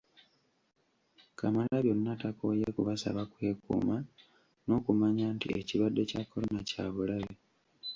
Kamalabyonna takooye kubasaba kwekuuma n’okumanya nti ekirwadde kya Corona kya bulabe